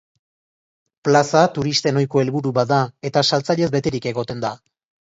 Plaza turisten ohiko helburu bat da eta saltzailez beterik egoten da.